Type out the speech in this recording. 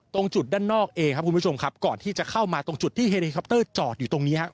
ตรงจุดด้านนอกเองครับคุณผู้ชมครับก่อนที่จะเข้ามาตรงจุดที่เฮลิคอปเตอร์จอดอยู่ตรงนี้ครับ